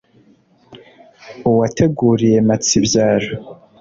uwateguriye mpatsibyaro